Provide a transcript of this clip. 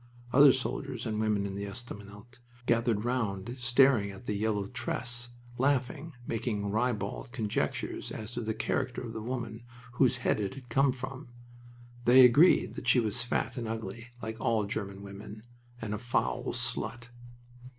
Other soldiers and women in the estaminet gathered round staring at the yellow tress, laughing, making ribald conjectures as to the character of the woman from whose head it had come. They agreed that she was fat and ugly, like all German women, and a foul slut.